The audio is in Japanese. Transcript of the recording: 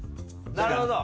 なるほど！